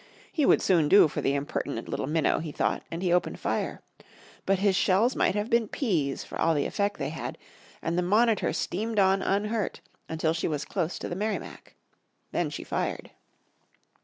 He would soon do for the impertinent little minnow, he thought, and he opened fire. But his shells might have been peas for all the effect they had, and the Monitor steamed on unhurt, until she was close to the Merrimac. Then she fired.